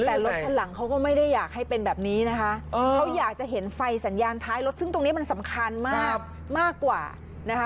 แต่รถคันหลังเขาก็ไม่ได้อยากให้เป็นแบบนี้นะคะเขาอยากจะเห็นไฟสัญญาณท้ายรถซึ่งตรงนี้มันสำคัญมากมากกว่านะคะ